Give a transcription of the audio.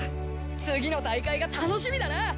次の大会が楽しみだな。